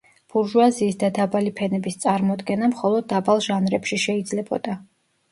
ბურჟუაზიის და დაბალი ფენების წარმოდგენა მხოლოდ დაბალ ჟანრებში შეიძლებოდა.